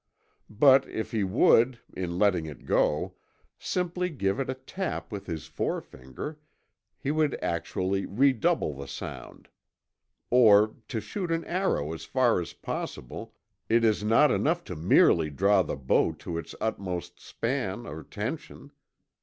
But if he would, in letting it go, simply give it a tap with his forefinger, he would actually redouble the sound. Or, to shoot an arrow as far as possible, it is not enough to merely draw the bow to its utmost span or tension.